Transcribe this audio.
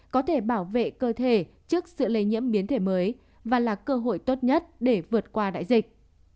có thể bảo vệ cơ thể trước sự lây nhiễm biến thể mới và là cơ hội tốt nhất để vượt qua đại dịch